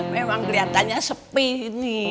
memang keliatannya sepi ini